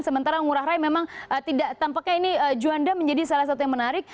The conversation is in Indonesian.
sementara ngurah rai memang tampaknya ini juanda menjadi salah satu yang menarik